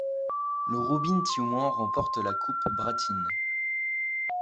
Le Roubine Tioumen remporte la Coupe Bratine.